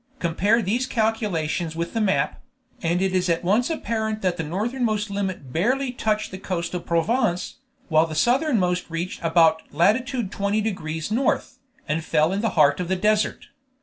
Compare these calculations with the map, and it is at once apparent that the northernmost limit barely touched the coast of Provence, while the southernmost reached to about lat. 20 degrees N., and fell in the heart of the desert.